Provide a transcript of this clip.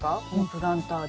プランターで。